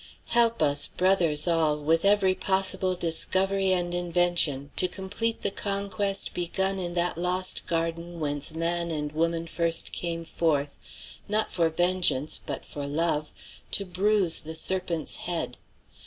Help us, brothers all, with every possible discovery and invention to complete the conquest begun in that lost garden whence man and woman first came forth, not for vengeance but for love, to bruise the serpent's head.